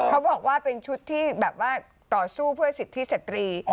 เขาบอกว่าเป็นชุดที่แบบว่าต่อสู้เพื่อสิทธิสตรี